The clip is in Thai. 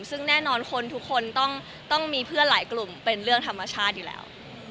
ซึ่งแน่นอนคนทุกคนต้องมีเพื่อนหลายกลุ่มเป็นเรื่องธรรมชาติอยู่แล้ว